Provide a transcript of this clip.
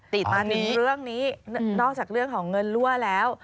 ติดตอนนี้นอกจากเรื่องของเงินรั่วแล้ว